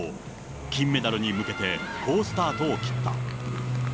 金メダルに向けて、好スタートを切った。